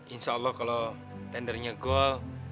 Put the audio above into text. insya allah kalo tendernya gold